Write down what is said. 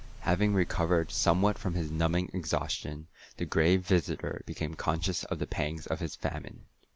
Having recovered somewhat from his numbing exhaustion, the Gray Visitor became conscious of the pangs of his famine.